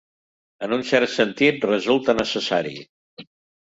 En un cert sentit, resulta necessari.